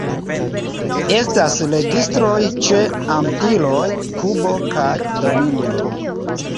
Estas registroj ĉe Antiloj, Kubo kaj Domingo.